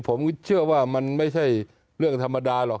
ผมก็เชื่อว่ามันไม่ใช่เรื่องธรรมดาหรอก